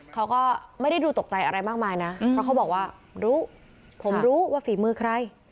เขาก็ไม่ได้ดูตกใจอะไรมากมายนะเพราะเขาบอกว่ารู้ผมรู้ว่าฝีมือใคร